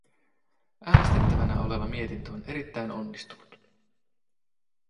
Äänestettävänä oleva mietintö on erittäin onnistunut.